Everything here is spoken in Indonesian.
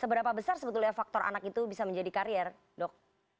seberapa besar sebetulnya faktor anak itu bisa menjadi karier dok